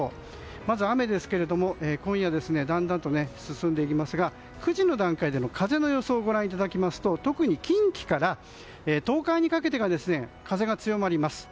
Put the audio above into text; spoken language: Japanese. まず、雨ですけれども今夜だんだんと進んでいきますが９時の段階での風の予想をご覧いただくと特に近畿から東海にかけてが風が強まります。